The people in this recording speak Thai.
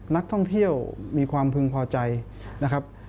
นักท่องเที่ยวมีความพึงพอใจนะครับ